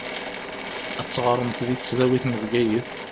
Ad teɣṛemt di tesdawit n Bgayet.